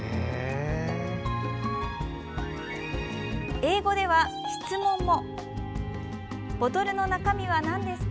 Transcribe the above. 英語では、質問も。